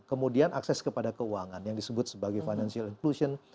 kemudian akses kepada keuangan yang disebut sebagai financial inclusion